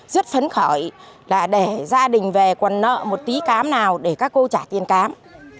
rất phấn khởi là để gia đình về còn nợ một tí cám nào để các cô trả tiền cám